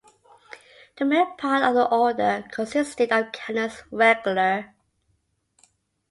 The male part of the order consisted of Canons Regular.